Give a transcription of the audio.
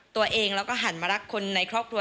ตัวเองแล้วก็หันมารักคนในครอบครัว